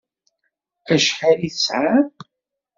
Acḥal i tesɛam?